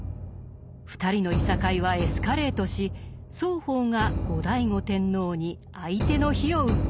２人のいさかいはエスカレートし双方が後醍醐天皇に相手の非を訴えます。